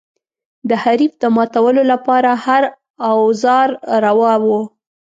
د حریف د ماتولو لپاره هر اوزار روا و.